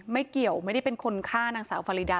ไม่เกี่ยวไม่ได้เป็นคนฆ่านางสาวฟารีดา